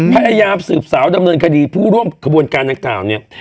พยายามสืบสาวดำเนินคดีผู้ร่วมขบวนการดังกล่าวเนี่ย